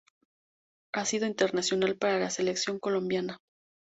Ha sido internacional para la Selección Colombia.